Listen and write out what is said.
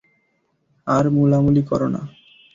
আর মুলামুলি করো না!